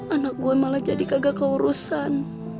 anak gue malah jadi kagak keurusan